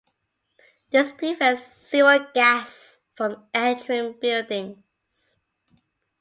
This prevents sewer gas from entering buildings.